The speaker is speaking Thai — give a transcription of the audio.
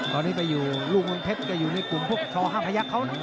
ตอนนี้ไปอยู่ลุงรุ้งเมืองเผ็ดก็อยู่ในกลุ่มชห้าผัยัก